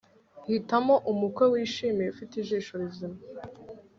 Hitamo umukwe wishimye ufite ijisho rizima